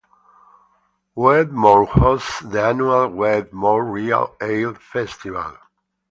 Wedmore hosts the annual "Wedmore Real Ale Festival".